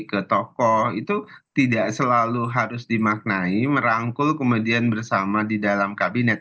ke tokoh itu tidak selalu harus dimaknai merangkul kemudian bersama di dalam kabinet